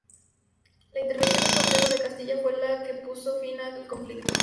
La intervención del Consejo de Castilla fue la que puso fin al conflicto.